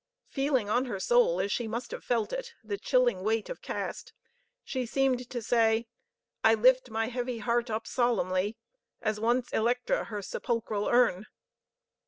Feeling on her soul, as she must have felt it, the chilling weight of caste, she seemed to say: 'I lift my heavy heart up solemnly, As once Eleotra her sepulchral urn.'